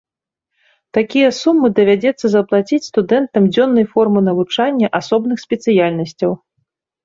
Такія сумы давядзецца заплаціць студэнтам дзённай формы навучання асобных спецыяльнасцяў.